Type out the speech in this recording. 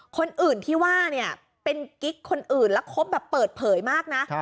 คนอื่นที่ว่าเนี่ยเป็นกิ๊กคนอื่นแล้วคบแบบเปิดเผยมากนะ